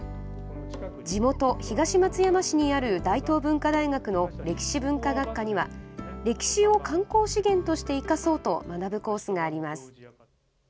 地元、東松山市にある大東文化大学の歴史文化学科には歴史を観光資源として生かそうと学ぶコースがあります。